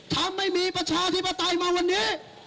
ถ้าไม่มีประชาธิปไตยมาวันนี้